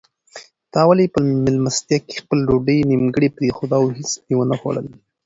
تا ولې په مېلمستیا کې خپله ډوډۍ نیمګړې پرېښوده او هیڅ دې ونه خوړل؟